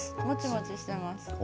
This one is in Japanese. もちもちしてます。